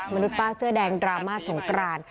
มนุษย์ป้าเสื้อแดงดราม่าสงกราน